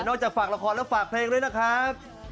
จากฝากละครแล้วฝากเพลงด้วยนะครับ